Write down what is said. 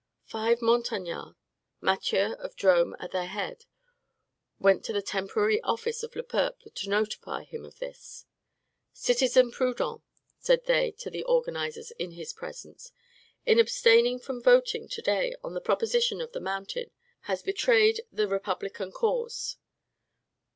Five Montagnards, Mathieu of Drome at their head, went to the temporary office of "Le Peuple" to notify him of this. "Citizen Proudhon," said they to the organizers in his presence, "in abstaining from voting to day on the proposition of the Mountain, has betrayed the Republican cause."